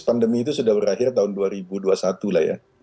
pandemi itu sudah berakhir tahun dua ribu dua puluh satu lah ya